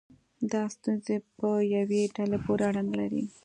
دا ستونزې په یوې ډلې پورې اړه نه لري.